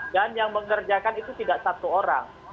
dan yang mengerjakan itu tidak satu orang